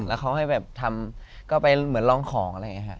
แล้วเขาให้แบบทำก็ไปเหมือนลองของอะไรอย่างนี้ค่ะ